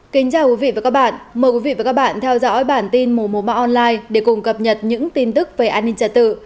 chào mừng quý vị đến với bản tin mùa ba online để cùng cập nhật những tin tức về an ninh trả tự